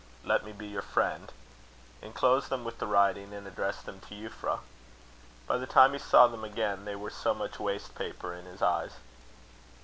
Let me be your friend;" inclosed them with the writing, and addressed them to Euphra. By the time he saw them again, they were so much waste paper in his eyes.